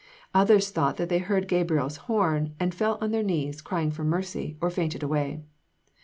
Others thought that they heard Gabriel's horn, and fell on their knees, crying for mercy, or fainted away.